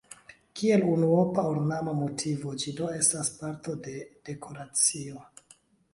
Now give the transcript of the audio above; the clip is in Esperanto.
Kiel unuopa ornama motivo ĝi do estas parto de dekoracio.